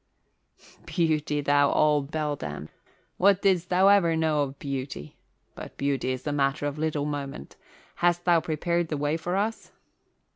"Beauty, thou old beldame! What did'st thou ever know of beauty? But beauty is a matter of little moment. Hast thou prepared the way for us?"